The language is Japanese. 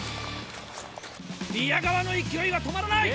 宮川の勢いが止まらない！